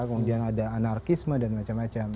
kemudian ada anarkisme dan macam macam